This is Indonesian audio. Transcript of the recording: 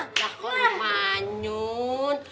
ya kok lumanyun